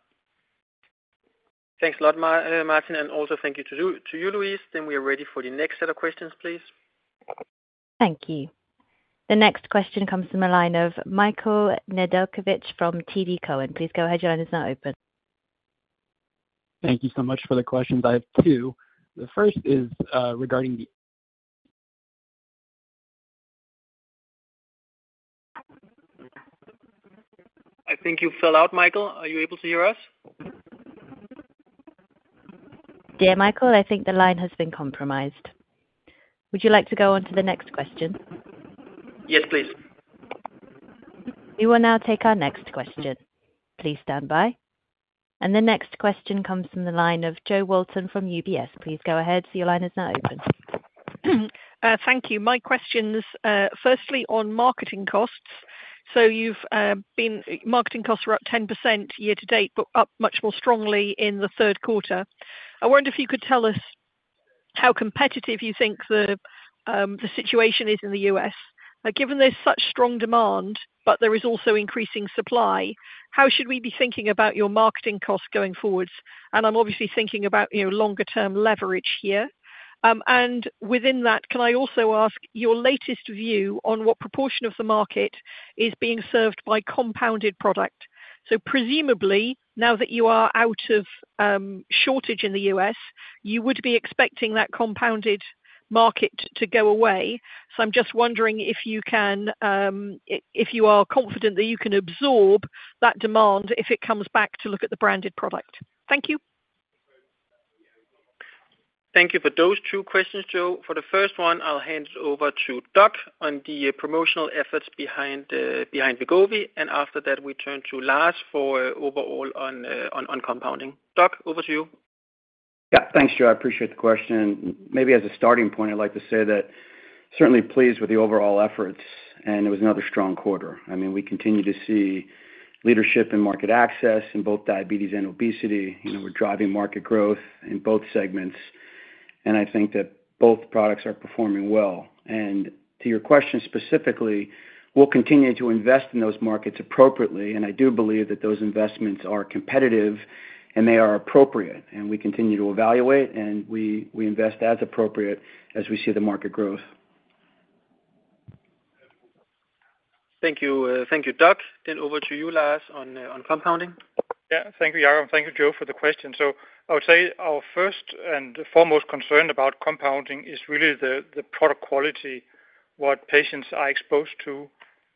Thanks a lot, Martin. And also thank you to you, Louise. Then we are ready for the next set of questions, please. Thank you. The next question comes from the line of Michael Nedelcovych from TD Cowen. Please go ahead. Your line is now open. Thank you so much for the questions. I have two. The first is regarding the— I think you fell out, Michael. Are you able to hear us? Dear Michael, I think the line has been compromised. Would you like to go on to the next question? Yes, please. We will now take our next question. Please stand by. And the next question comes from the line of Jo Walton from UBS. Please go ahead. Your line is now open. Thank you. My questions, firstly, on marketing costs. So marketing costs were up 10% year-to-date, but up much more strongly in the third quarter. I wonder if you could tell us how competitive you think the situation is in the U.S. Given there's such strong demand, but there is also increasing supply, how should we be thinking about your marketing costs going forward? And I'm obviously thinking about longer-term leverage here. And within that, can I also ask your latest view on what proportion of the market is being served by compounded product? So presumably, now that you are out of shortage in the U.S., you would be expecting that compounded market to go away. So I'm just wondering if you are confident that you can absorb that demand if it comes back to look at the branded product. Thank you. Thank you for those two questions, Jo. For the first one, I'll hand it over to Doug on the promotional efforts behind Wegovy, and after that, we turn to Lars for overall on compounding. Doug, over to you. Yeah. Thanks, Jo. I appreciate the question. Maybe as a starting point, I'd like to say that we're certainly pleased with the overall efforts, and it was another strong quarter. I mean, we continue to see leadership in market access in both diabetes and obesity. We're driving market growth in both segments, and I think that both products are performing well. And to your question specifically, we'll continue to invest in those markets appropriately, and I do believe that those investments are competitive and they are appropriate. And we continue to evaluate, and we invest as appropriate as we see the market growth. Thank you. Thank you, Doug. Then over to you, Lars, on compounding. Yeah. Thank you, Jacob. Thank you, Jo, for the question. I would say our first and foremost concern about compounding is really the product quality, what patients are exposed to.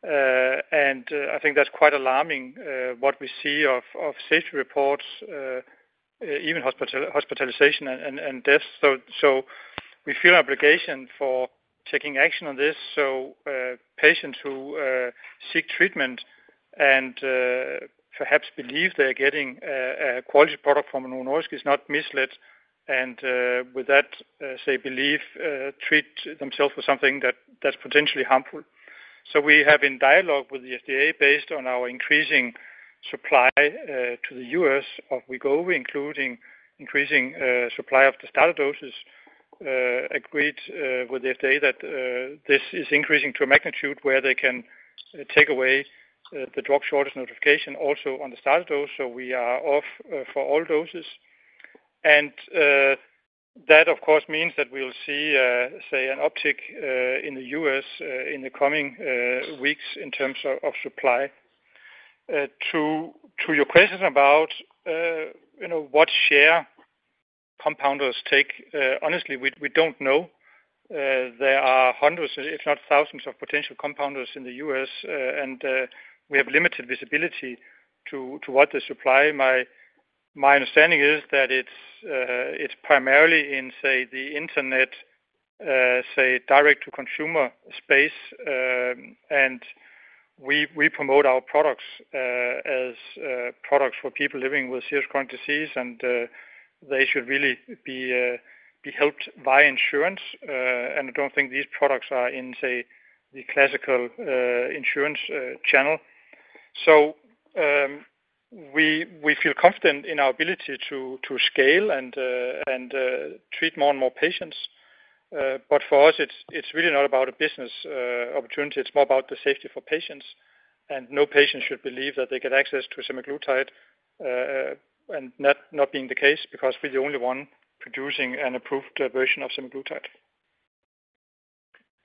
I think that's quite alarming what we see of safety reports, even hospitalization and deaths. We feel our obligation for taking action on this. Patients who seek treatment and perhaps believe they are getting a quality product from Novo Nordisk is not misled and with that, say, believe, treat themselves for something that's potentially harmful. We have in dialogue with the FDA, based on our increasing supply to the U.S. of Wegovy, including increasing supply of the starter doses, agreed with the FDA that this is increasing to a magnitude where they can take away the drug shortage notification also on the starter dose. We are off for all doses. That, of course, means that we'll see, say, an uptick in the U.S. in the coming weeks in terms of supply. To your question about what share compounders take, honestly, we don't know. There are hundreds, if not thousands, of potential compounders in the U.S., and we have limited visibility to what the supply. My understanding is that it's primarily in, say, the internet, say, direct-to-consumer space, and we promote our products as products for people living with serious chronic disease, and they should really be helped via insurance. I don't think these products are in, say, the classical insurance channel. We feel confident in our ability to scale and treat more and more patients. For us, it's really not about a business opportunity. It's more about the safety for patients. No patient should believe that they get access to semaglutide, and that not being the case because we're the only one producing an approved version of semaglutide.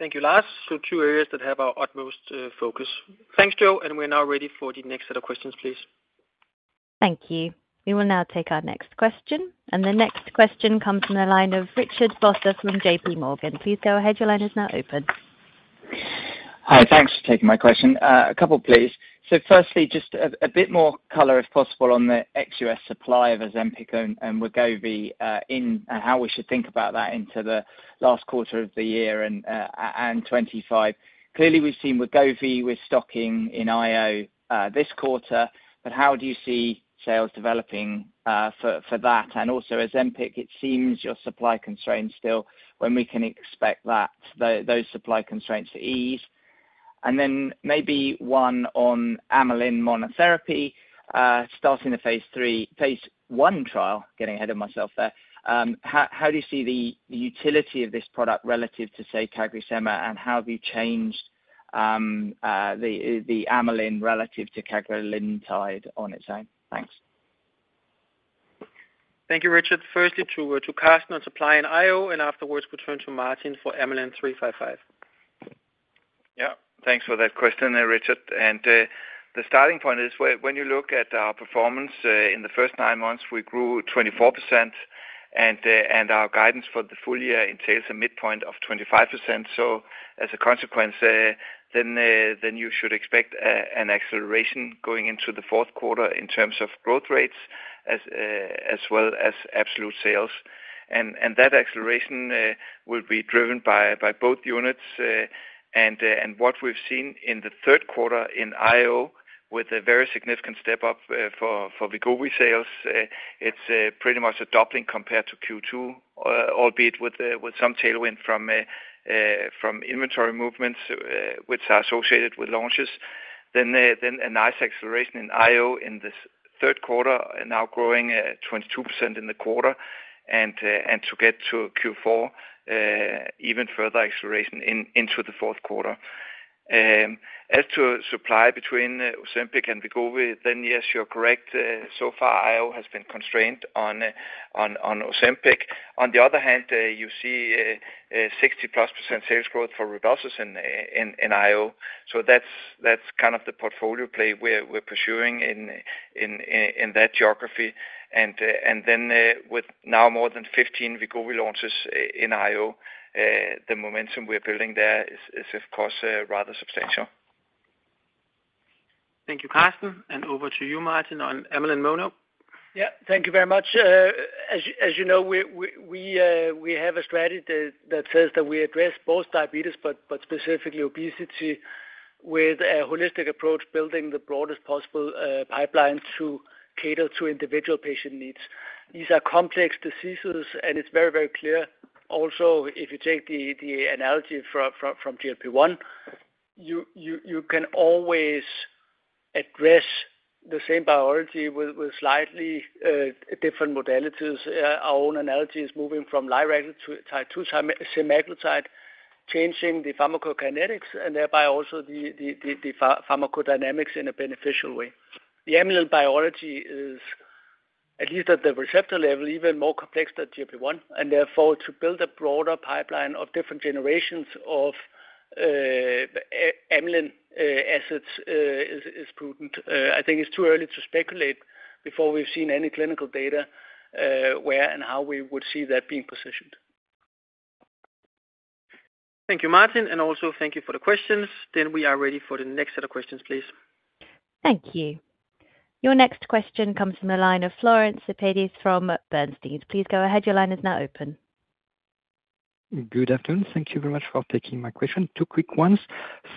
Thank you, Lars. So two areas that have our utmost focus. Thanks, Jo. We're now ready for the next set of questions, please. Thank you. We will now take our next question. The next question comes from the line of Richard Vosser from JPMorgan. Please go ahead. Your line is now open. Hi. Thanks for taking my question. A couple, please. So firstly, just a bit more color, if possible, on the ex-U.S. supply of Ozempic and Wegovy and how we should think about that into the last quarter of the year and 2025. Clearly, we've seen Wegovy with stocking in IO this quarter, but how do you see sales developing for that? And also, Ozempic. It seems your supply constraints still. When can we expect that those supply constraints to ease? And then maybe one on amylin monotherapy, starting the phase 1 trial, getting ahead of myself there. How do you see the utility of this product relative to, say, CagriSema, and how have you changed the amylin relative to cagrilintide on its own? Thanks. Thank you, Richard. Firstly, to Karsten on supply in IO, and afterwards, we'll turn to Martin for amylin 355. Yeah. Thanks for that question there, Richard. And the starting point is when you look at our performance in the first nine months, we grew 24%, and our guidance for the full year entails a midpoint of 25%. So as a consequence, then you should expect an acceleration going into the fourth quarter in terms of growth rates as well as absolute sales. That acceleration will be driven by both units. What we've seen in the third quarter in IO with a very significant step up for Wegovy sales, it's pretty much a doubling compared to Q2, albeit with some tailwind from inventory movements which are associated with launches. A nice acceleration in IO in this third quarter, now growing 22% in the quarter, and to get to Q4, even further acceleration into the fourth quarter. As to supply between Ozempic and Wegovy, then yes, you're correct. So far, IO has been constrained on Ozempic. On the other hand, you see 60%+ sales growth for Rybelsus in IO. So that's kind of the portfolio play we're pursuing in that geography. And then with now more than 15 Wegovy launches in IO, the momentum we're building there is, of course, rather substantial. Thank you, Karsten. And over to you, Martin, on amylin mono. Yeah. Thank you very much. As you know, we have a strategy that says that we address both diabetes, but specifically obesity, with a holistic approach, building the broadest possible pipeline to cater to individual patient needs. These are complex diseases, and it's very, very clear. Also, if you take the analogy from GLP-1, you can always address the same biology with slightly different modalities. Our own analogy is moving from liraglutide to semaglutide, changing the pharmacokinetics and thereby also the pharmacodynamics in a beneficial way. The amylin biology is, at least at the receptor level, even more complex than GLP-1. And therefore, to build a broader pipeline of different generations of amylin assets is prudent. I think it's too early to speculate before we've seen any clinical data where and how we would see that being positioned. Thank you, Martin. And also, thank you for the questions. Then we are ready for the next set of questions, please. Thank you. Your next question comes from the line of Florent Cespedes from Bernstein. Please go ahead. Your line is now open. Good afternoon. Thank you very much for taking my question. Two quick ones.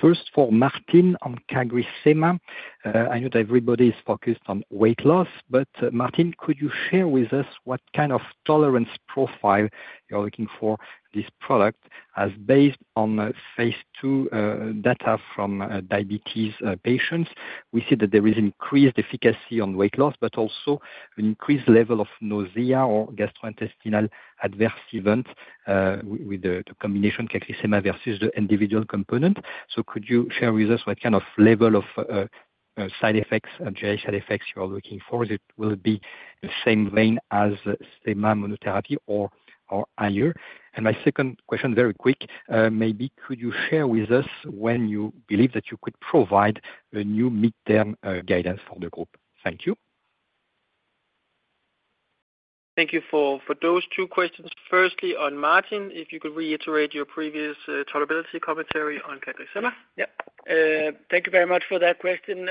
First, for Martin on CagriSema. I know that everybody is focused on weight loss, but Martin, could you share with us what kind of tolerance profile you're looking for this product as based on phase II data from diabetes patients? We see that there is increased efficacy on weight loss, but also an increased level of nausea or gastrointestinal adverse events with the combination CagriSema versus the individual component. So could you share with us what kind of level of side effects, GI side effects you are looking for? It will be in the same vein as semaglutide monotherapy or IV? And my second question, very quick, maybe could you share with us when you believe that you could provide a new mid-term guidance for the group? Thank you. Thank you for those two questions. Firstly, on Martin, if you could reiterate your previous tolerability commentary on CagriSema. Yeah. Thank you very much for that question.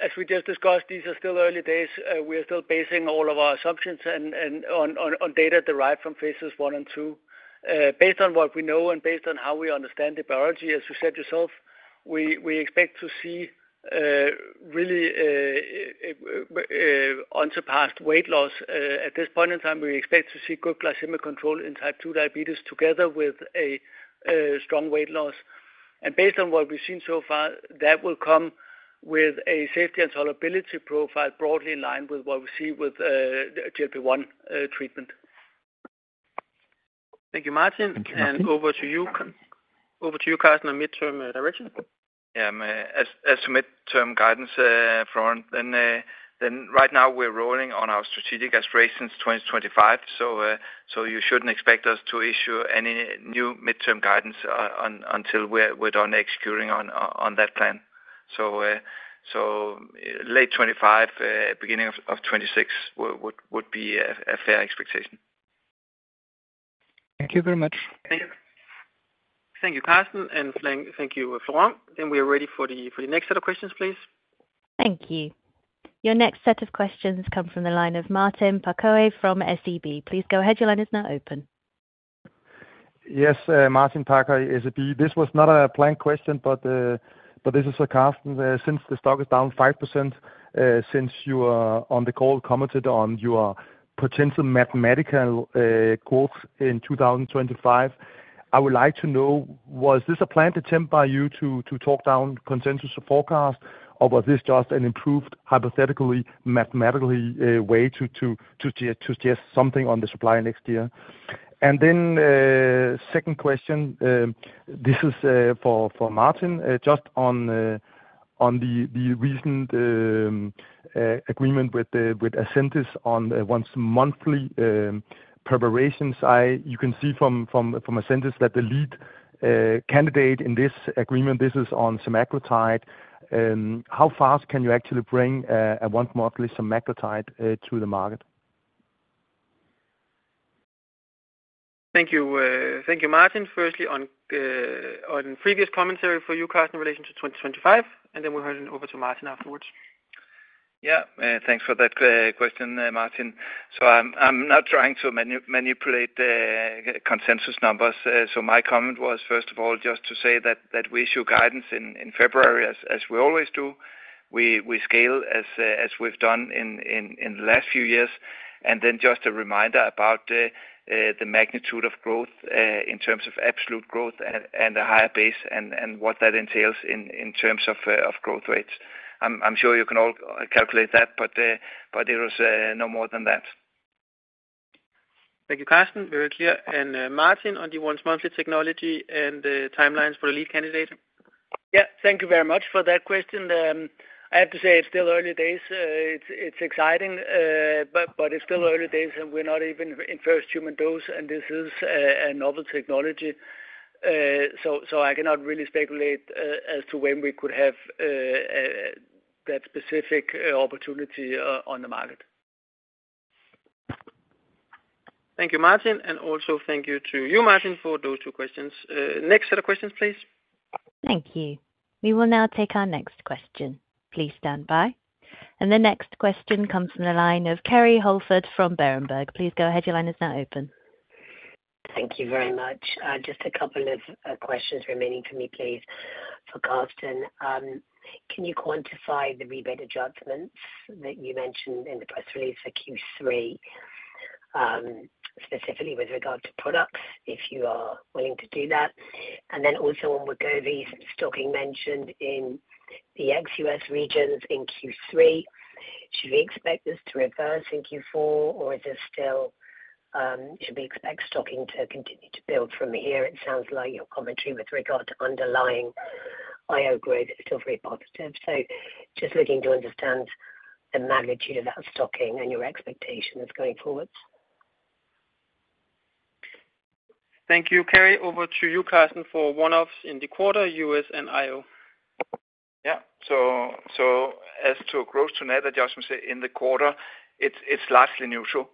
As we just discussed, these are still early days. We are still basing all of our assumptions on data derived from phase I and II. Based on what we know and based on how we understand the biology, as you said yourself, we expect to see really unsurpassed weight loss. At this point in time, we expect to see good glycemic control in type 2 diabetes together with a strong weight loss. Based on what we've seen so far, that will come with a safety and tolerability profile broadly in line with what we see with GLP-1 treatment. Thank you, Martin. Over to you, Karsten, on mid-term direction. Yeah. As to mid-term guidance, Florent, right now, we're rolling on our strategic aspirations 2025. So you shouldn't expect us to issue any new mid-term guidance until we're done executing on that plan. So late 2025, beginning of 2026 would be a fair expectation. Thank you very much. Thank you. Thank you, Karsten. And thank you, Florent. We are ready for the next set of questions, please. Thank you. Your next set of questions come from the line of Martin Parkhøi from SEB. Please go ahead. Your line is now open. Yes. Martin Parkhøi, SEB. This was not a planned question, but this is for Karsten. Since the stock is down 5% since you are on the call, commented on your potential mid-single-digit growth in 2025, I would like to know, was this a planned attempt by you to talk down consensus forecast, or was this just an improved hypothetically mathematically way to suggest something on the supply next year? And then second question, this is for Martin, just on the recent agreement with Ascendis on once-monthly preparations side. You can see from Ozempic that the lead candidate in this agreement, this is on semaglutide. How fast can you actually bring a once-monthly semaglutide to the market? Thank you. Thank you, Martin. Firstly, on previous commentary from you, Karsten, in relation to 2025, and then we'll hand it over to Martin afterwards. Yeah. Thanks for that question, Martin. So I'm not trying to manipulate consensus numbers. So my comment was, first of all, just to say that we issue guidance in February, as we always do. We scale as we've done in the last few years. And then just a reminder about the magnitude of growth in terms of absolute growth and the higher base and what that entails in terms of growth rates. I'm sure you can all calculate that, but it was no more than that. Thank you, Karsten. Very clear. And Martin, on the once-monthly technology and timelines for the lead candidate? Yeah. Thank you very much for that question. I have to say it's still early days. It's exciting, but it's still early days, and we're not even in first human dose, and this is a novel technology. So I cannot really speculate as to when we could have that specific opportunity on the market. Thank you, Martin. And also, thank you to you, Martin, for those two questions. Next set of questions, please. Thank you. We will now take our next question. Please stand by. And the next question comes from the line of Kerry Holford from Berenberg. Please go ahead. Your line is now open. Thank you very much. Just a couple of questions remaining for me, please, for Karsten. Can you quantify the rebate adjustments that you mentioned in the press release for Q3, specifically with regard to products, if you are willing to do that? And then also, on Wegovy, stocking mentioned in the ex-U.S. regions in Q3. Should we expect this to reverse in Q4, or is it still should we expect stocking to continue to build from here? It sounds like your commentary with regard to underlying IO growth is still very positive. Just looking to understand the magnitude of that stocking and your expectations going forward. Thank you. Kerry, over to you, Karsten, for one-offs in the quarter, U.S. and IO. Yeah. As to gross-to-net adjustments in the quarter, it's largely neutral.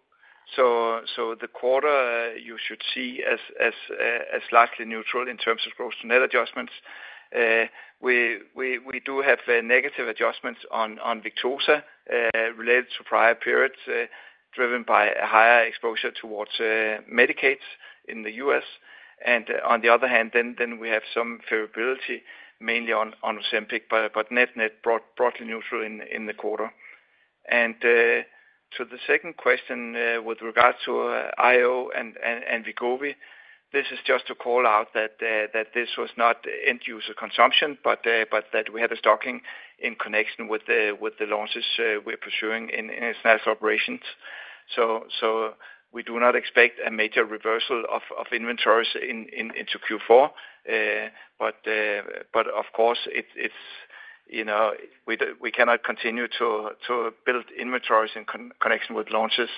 The quarter, you should see as largely neutral in terms of gross-to-net adjustments. We do have negative adjustments on Victoza related to prior periods driven by a higher exposure towards Medicaid in the U.S., And on the other hand, then we have some favorability mainly on Ozempic, but net broadly neutral in the quarter. To the second question with regard to IO and Wegovy, this is just to call out that this was not end-user consumption, but that we had a stocking in connection with the launches we're pursuing in International Operations. We do not expect a major reversal of inventories into Q4. But of course, we cannot continue to build inventories in connection with launches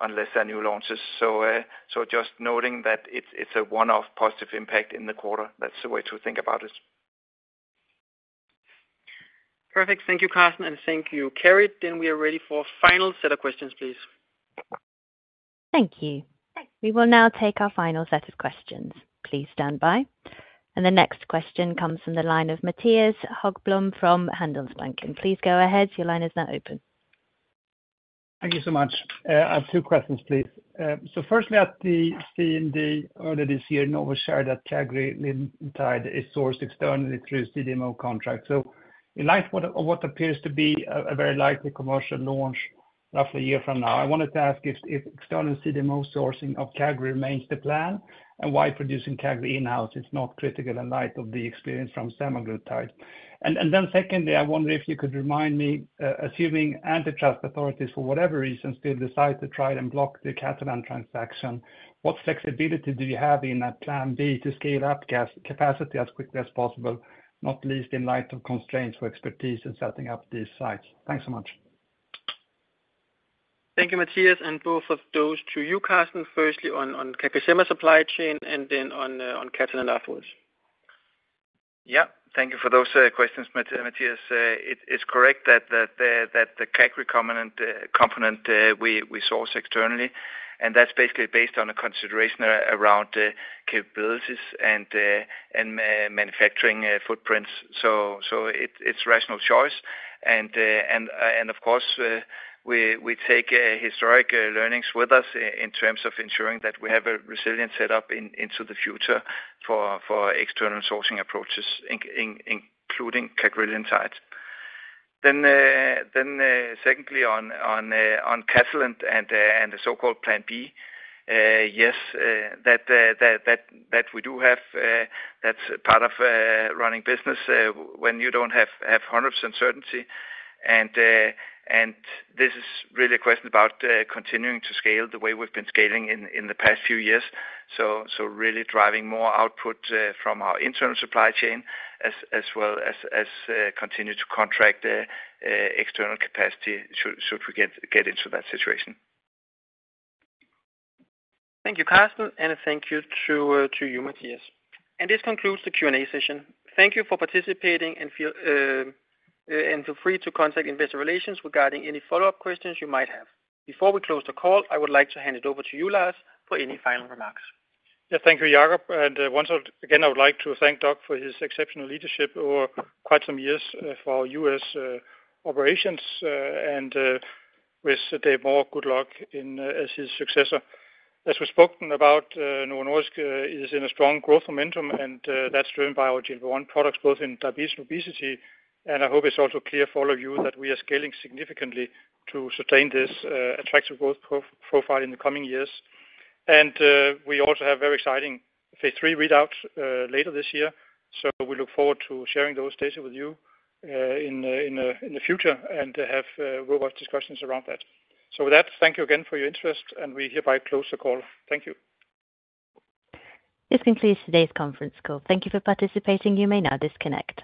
unless there are new launches. So just noting that it's a one-off positive impact in the quarter. That's the way to think about it. Perfect. Thank you, Karsten, and thank you, Kerry. Then we are ready for final set of questions, please. Thank you. We will now take our final set of questions. Please stand by. And the next question comes from the line of Mattias Häggblom from Handelsbanken. Please go ahead. Your line is now open. Thank you so much. I have two questions, please. So firstly, at the CMD earlier this year, Novo shared that cagrilintide is sourced externally through CDMO contracts. In light of what appears to be a very likely commercial launch roughly a year from now, I wanted to ask if external CDMO sourcing of Cagri remains the plan and why producing Cagri in-house is not critical in light of the experience from semaglutide. And then secondly, I wonder if you could remind me, assuming antitrust authorities for whatever reason still decide to try and block the Catalent transaction, what flexibility do you have in a plan B to scale up capacity as quickly as possible, not least in light of constraints for expertise in setting up these sites? Thanks so much. Thank you, Mattias. And both of those to you, Karsten. Firstly, on CagriSema supply chain and then on Catalent afterwards. Yeah. Thank you for those questions, Mattias. It's correct that the Cagri component we source externally. That's basically based on a consideration around capabilities and manufacturing footprints. It's a rational choice. Of course, we take historic learnings with us in terms of ensuring that we have a resilient setup into the future for external sourcing approaches, including cagrilintide. Secondly, on Catalent and the so-called plan B, yes, that we do have. That's part of running business when you don't have hundred percent certainty. This is really a question about continuing to scale the way we've been scaling in the past few years. Really driving more output from our internal supply chain as well as continue to contract external capacity should we get into that situation. Thank you, Karsten. And thank you to you, Mattias. This concludes the Q&A session. Thank you for participating, and feel free to contact investor relations regarding any follow-up questions you might have. Before we close the call, I would like to hand it over to you, Lars, for any final remarks. Yeah. Thank you, Jacob. And once again, I would like to thank Doug for his exceptional leadership over quite some years for our U.S. operations. And wish Dave Moore good luck as his successor. As we spoke about, Novo Nordisk is in a strong growth momentum, and that's driven by our GLP-1 products, both in diabetes and obesity. And I hope it's also clear for all of you that we are scaling significantly to sustain this attractive growth profile in the coming years. And we also have very exciting phase III readouts later this year. So we look forward to sharing those data with you in the future and have robust discussions around that. So with that, thank you again for your interest, and we hereby close the call. Thank you. This concludes today's conference call. Thank you for participating. You may now disconnect.